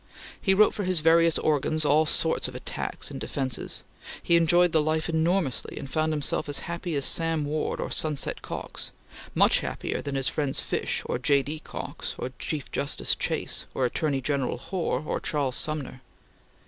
He wrote for his various organs all sorts of attacks and defences. He enjoyed the life enormously, and found himself as happy as Sam Ward or Sunset Cox; much happier than his friends Fish or J. D. Cox, or Chief Justice Chase or Attorney General Hoar or Charles Sumner.